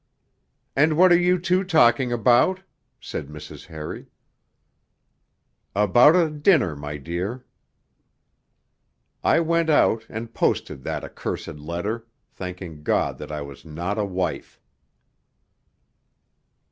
'And what are you two talking about?' said Mrs. Harry. 'About a dinner, my dear.' I went out and posted that accursed letter, thanking God that I was not a wife.